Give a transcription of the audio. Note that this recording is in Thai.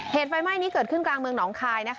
เหตุไฟไหม่นี้เกิดขึ้นกลางเมืองหนองไข่